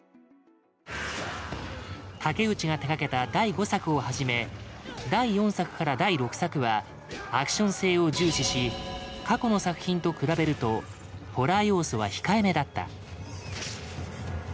竹内が手がけた第５作をはじめ第４作から第６作はアクション性を重視し過去の作品と比べるとホラー要素は控えめだった。